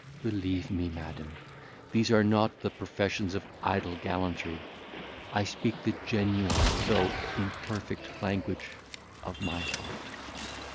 Believe me, madam, these are not the professions of idle gallantry—I speak the genuine, though imperfect, language of my heart.